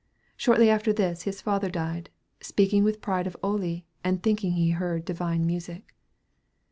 Shortly after this his father died, speaking with pride of Ole, and thinking he heard divine music.